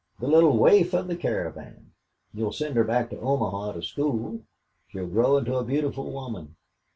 The little waif of the caravan you'll send her back to Omaha to school; she'll grow into a beautiful woman!